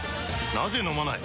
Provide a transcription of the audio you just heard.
なぜ飲まない？